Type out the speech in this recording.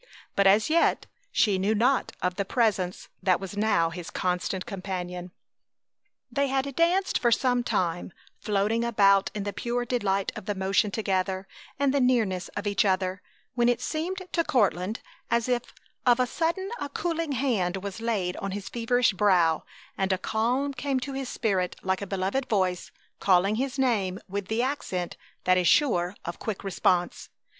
But as yet she knew not of the Presence that was now his constant companion. They had danced for some time, floating about in the pure delight of the motion together, and the nearness of each another, when it seemed to Courtland as if of a sudden a cooling hand was laid on his feverish brow and a calm came to his spirit like a beloved voice calling his name with the accent that is sure of quick response.